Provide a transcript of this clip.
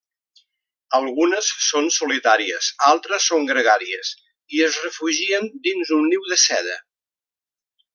Algunes són solitàries, altres són gregàries i es refugien dins un niu de seda.